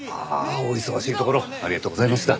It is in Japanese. お忙しいところありがとうございました。